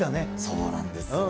そうなんですよね。